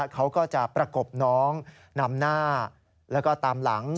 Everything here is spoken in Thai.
เขาก็จะประกบน้องนำหน้าแล้วก็ตามหลัง